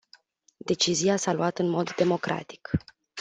Decizia s-a luat în mod democratic.